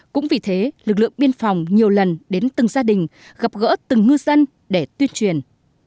cũng vì thế lực lượng biên phòng nhiều lần đến từng gia đình gặp gỡ từng ngư dân để tuyên truyền